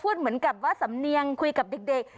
เหมือนกับว่าสำเนียงคุยกับเด็ก